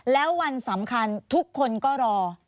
แล้ววันสำคัญทุกคนก็รอ